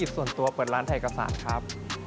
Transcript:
ธุรกิจส่วนตัวเปิดร้านไทยกษานครับ